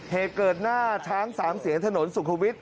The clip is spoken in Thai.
เหตุเกิดหน้าช้างสามเสียนถนนสุขวิทย